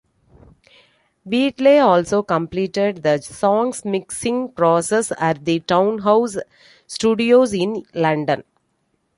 Wheatley also completed the song's mixing process at the Townhouse Studios in London.